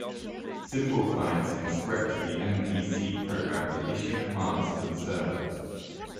Simple clients can script the mpc program to issue commands to the server.